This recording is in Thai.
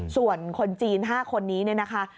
ส่วนคนจีน๕คนนี้นะค่ะ